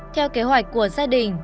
theo kế hoạch của gia đình